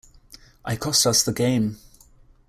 I cost us the game.